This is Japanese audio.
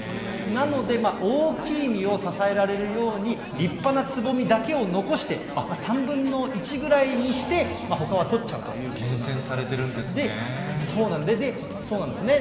なので、大きい実を支えられるように、立派なつぼみだけを残して３分の１ぐらいにして、ほかは取っちゃ厳選されてるんですね。そうなんですね。